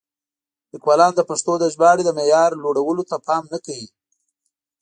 لیکوالان د پښتو د ژباړې د معیار لوړولو ته پام نه کوي.